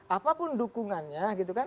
apapun dukungannya gitu kan